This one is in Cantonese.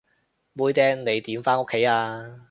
妹釘，你點返屋企啊？